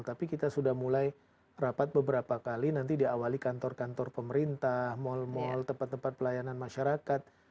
tapi kita sudah mulai rapat beberapa kali nanti diawali kantor kantor pemerintah mal mal tempat tempat pelayanan masyarakat